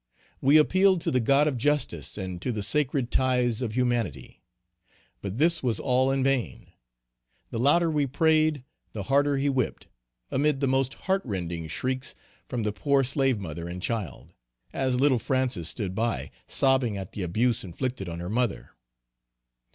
We appealed to the God of justice and to the sacred ties of humanity; but this was all in vain. The louder we prayed the harder he whipped, amid the most heart rending shrieks from the poor slave mother and child, as little Frances stood by, sobbing at the abuse inflicted on her mother.